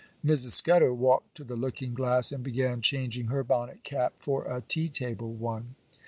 Mrs. Scudder walked to the looking glass and began changing her bonnet cap for a tea table one.